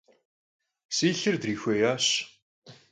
Si lhır drixuêyaş.